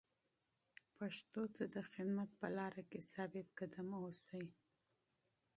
پښتو ته د خدمت په لاره کې ثابت قدم اوسئ.